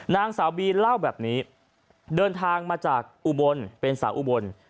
นางสาวบีเล่าแบบนี้เดินทางมาจากอุบลเป็นสาวอุบล